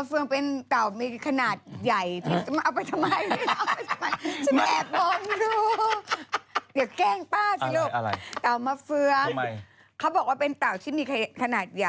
รู้จักเต่ามะเฟืองเป็นเต่ามีขนาดใหญ่